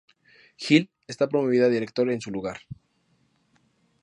Hill está promovida a Director en su lugar.